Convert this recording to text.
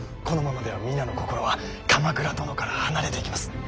このままでは皆の心は鎌倉殿から離れていきます。